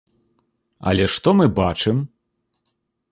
Але што мы бачым?